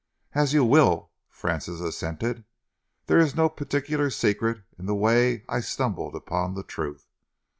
"As you will," Francis assented. "There is no particular secret in the way I stumbled upon the truth.